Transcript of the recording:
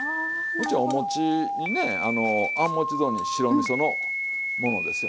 うちお餅にねあん餅雑煮白みそのものですよ。